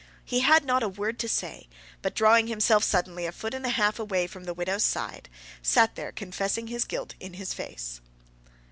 He had not a word to say; but drawing himself suddenly a foot and half away from the widow's side, sat there confessing his guilt in his face.